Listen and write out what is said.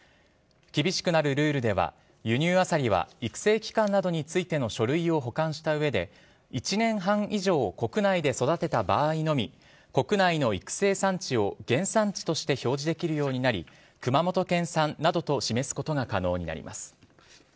厳しくなるルールでは輸入アサリは育成期間などについての書類を保管した上で１年半以上国内で育てた場合のみ国内の育成産地を原産地として表示できるようになり熊本県産などと示すことが可能になります。